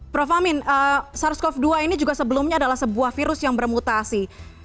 prof amin sars cov dua ini juga sebelumnya adalah sebuah virus yang bermutasi